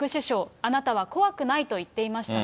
あなたは怖くないと言っていましたね。